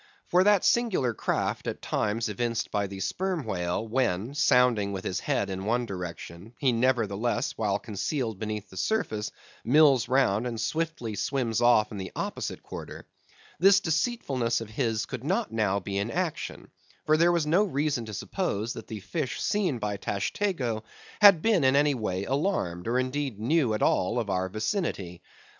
For that singular craft at times evinced by the Sperm Whale when, sounding with his head in one direction, he nevertheless, while concealed beneath the surface, mills round, and swiftly swims off in the opposite quarter—this deceitfulness of his could not now be in action; for there was no reason to suppose that the fish seen by Tashtego had been in any way alarmed, or indeed knew at all of our vicinity.